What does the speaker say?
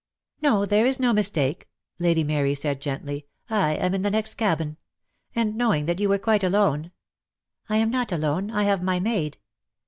■■' "No, there is no mistake," Lady Mary said gently. "I am in the next cabin; and, knowing that you were quite alone " "I am not alone. I have my maid."